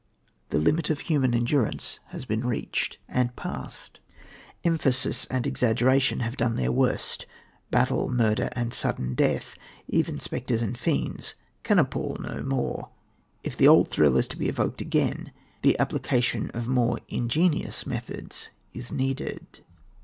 The limit of human endurance has been reached and passed. Emphasis and exaggeration have done their worst. Battle, murder, and sudden death even spectres and fiends can appal no more. If the old thrill is to be evoked again, the application of more ingenious methods is needed.